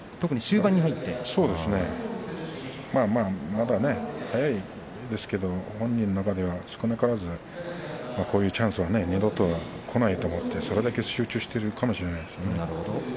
まだ早いですけれども本人の中では、少なからずこういうチャンスは二度とこないと思って、それだけ集中しているかもしれませんね。